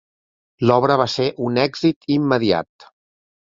L'obra va ser un èxit immediat.